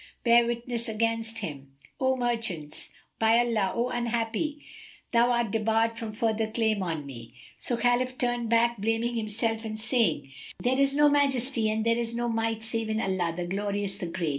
Bear witness against him, O merchants! By Allah, O unhappy, thou art debarred from further claim on me!" So Khalif turned back, blaming himself and saying, "There is no Majesty and there is no Might save in Allah, the Glorious, the Great!